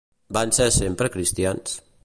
Van ser sempre cristians?